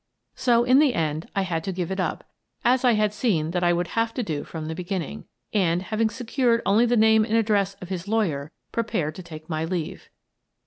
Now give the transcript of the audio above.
So, in the end, I had to give it up, — as I had seen that I would have to do from the beginning, — and, having secured only the name and address of his lawyer, prepared to take my leave.